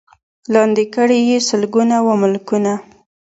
لاندي کړي یې سلګونه وه ملکونه